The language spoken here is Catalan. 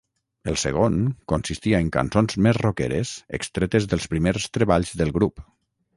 El segon consistia en cançons més roqueres extretes dels primers treballs del grup.